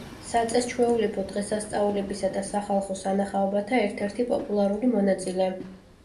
საწესჩვეულებო დღესასწაულებისა და სახალხო სანახაობათა ერთ-ერთი პოპულარული მონაწილე.